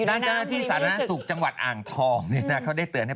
อ้าวนางจารยาที่ศาสตร์นักศุกร์จังหวัดอ่างทองเนี้ยนะเค้าได้เตือนให้